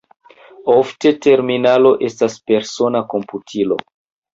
Ofte terminalo estas persona komputilo.